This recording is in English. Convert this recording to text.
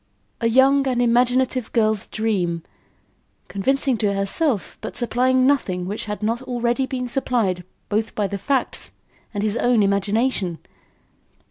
a young and imaginative girl's dream, convincing to herself but supplying nothing which had not already been supplied both by the facts and his own imagination!